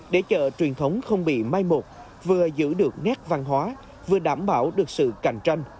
để chợ truyền thống không bị mai một vừa giữ được nét văn hóa vừa đảm bảo được sự cạnh tranh